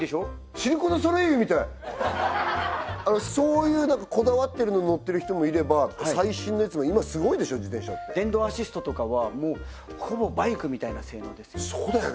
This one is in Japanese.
シルク・ドゥ・ソレイユみたいそういうこだわってるのに乗ってる人もいれば最新のやつの今すごいでしょ自転車って電動アシストとかはもうほぼバイクみたいな性能ですね